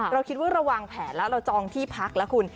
เราคิดว่าเราวางแผนแล้วเราจองที่พักแล้วคุณ